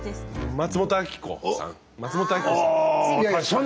松本明子さん？